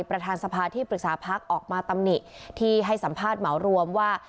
ประธานสภาที่ปรึกษาพักออกมาตำหนิที่ให้สัมภาษณ์เหมารวมว่า